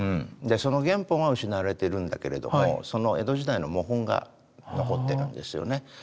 その原本は失われてるんだけれどもその江戸時代の模本が残ってるんですよね。